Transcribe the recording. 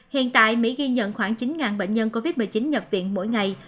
hiện tại mỹ ghi nhận khoảng chín bệnh nhân covid một mươi chín nhập viện mỗi ngày